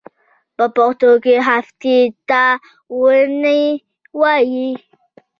په پښتو کې هفتې ته اونۍ وایی.